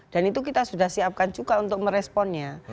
dan itu kita sudah siapkan juga untuk meresponnya